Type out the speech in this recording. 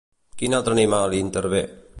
Quin altre animal hi intervé?